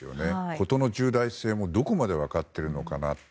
事の重大性もどこまで分かっているのかなと。